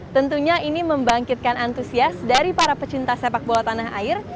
tentunya ini membangkitkan antusias dari para pecinta sepak bola tanah air